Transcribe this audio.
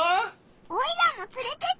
オイラもつれてってよ！